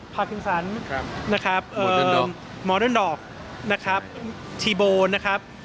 พาร์ทพินซันนะครับมอเดินดอกที่โบนนะครับ